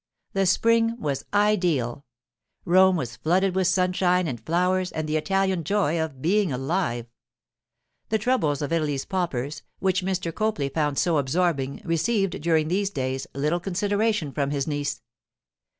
The spring was ideal; Rome was flooded with sunshine and flowers and the Italian joy of being alive. The troubles of Italy's paupers, which Mr. Copley found so absorbing, received, during these days, little consideration from his niece.